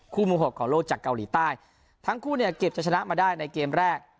มือหกของโลกจากเกาหลีใต้ทั้งคู่เนี่ยเก็บจะชนะมาได้ในเกมแรก